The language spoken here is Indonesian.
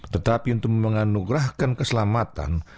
tetapi untuk menganugerahkan keselamatan